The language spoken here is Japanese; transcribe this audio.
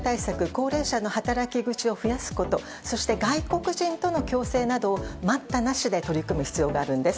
高齢者の働き口を増やすことそして、外国人との共生などを待ったなしで取り組む必要があるんです。